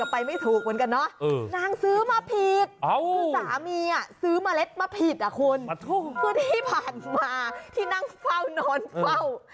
พวกที่ผ่านมาที่นั่งเฝ้านอนเฝ้า